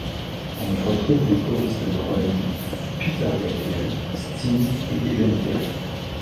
On y retrouve des choristes de renom, Peter Gabriel, Sting et Helen Terry.